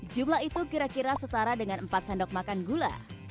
jumlah itu kira kira setara dengan empat sendok makan gula